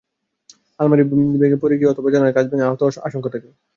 আলমারি পড়ে গিয়ে অথবা জানালার কাচ ভেঙে আহত হওয়ার আশঙ্কা থাকে।